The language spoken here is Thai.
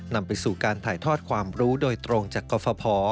นำไปสู่การถ่ายทอดความรู้โดยตรงจากกรฟภ